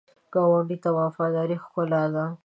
ګاونډي ته وفاداري ښکلا ده